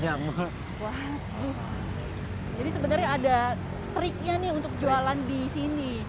jadi sebenarnya ada triknya nih untuk jualan di sini